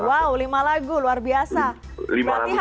berarti hampir setiap minggu ya om